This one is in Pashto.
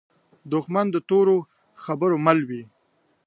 دښمن د تورو خبرو مل وي